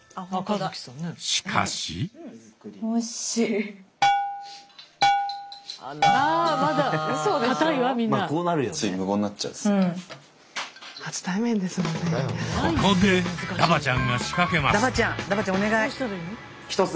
しかしここでダバちゃんが仕掛けます。